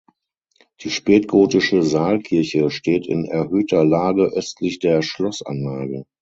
Die spätgotische Saalkirche steht in erhöhter Lage östlich der Schlossanlage.